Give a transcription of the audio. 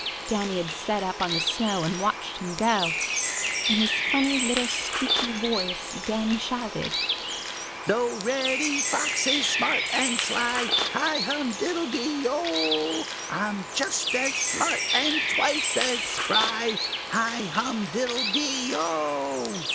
Danny had sat up on the snow and watched him go. In his funny little squeaky voice Danny shouted: "Though Reddy Fox is smart and sly, Hi hum diddle de o! I'm just as smart and twice as spry. Hi hum diddle de o!"